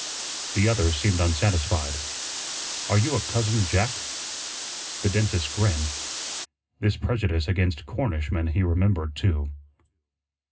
The other seemed unsatisfied. "Are you a 'cousin Jack'?" The dentist grinned. This prejudice against Cornishmen he remembered too.